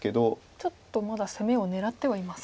ちょっとまだ攻めを狙ってはいますか。